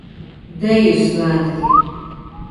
Deju svētki.